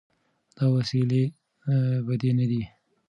دا وسیلې بدې نه دي.